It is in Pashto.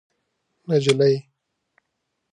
نجلۍ